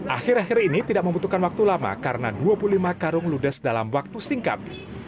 akhir akhir ini tidak membutuhkan waktu lama karena dua puluh lima karung ludes dalam waktu singkat